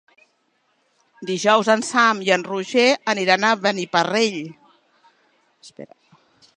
Dijous en Sam i en Roger aniran a Beniparrell.